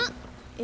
え。